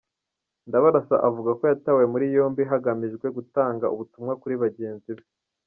Ndabarasa avuga ko yatawe muri yombi hagamijwe gutanga ubutumwa kuri bagenzi be.